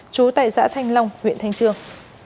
trú tại xã thanh long huyện thanh trương